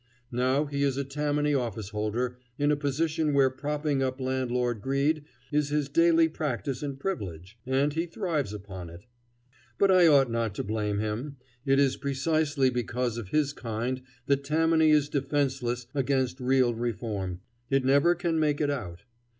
Now he is a Tammany officeholder in a position where propping up landlord greed is his daily practice and privilege, and he thrives upon it. But I ought not to blame him. It is precisely because of his kind that Tammany is defenceless against real reform. It never can make it out.